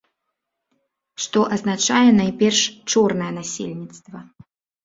Што азначае найперш чорнае насельніцтва.